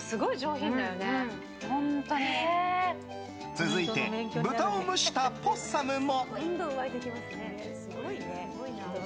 続いて、豚を蒸したポッサムも。